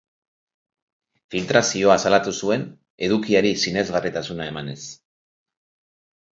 Filtrazioa salatu zuen, edukiari sinesgarritasuna emanez.